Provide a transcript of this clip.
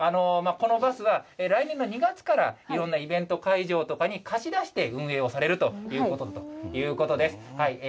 このバスは来年の２月から、いろんなイベント会場とかに貸し出して運営をされるということだということです。